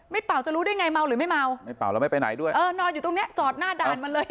เป่าจะรู้ได้ไงเมาหรือไม่เมาไม่เป่าแล้วไม่ไปไหนด้วยเออนอนอยู่ตรงเนี้ยจอดหน้าด่านมันเลย